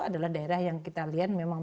adalah daerah yang kita lihat memang